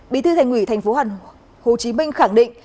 bí thư thành ủy tp hcm khẳng định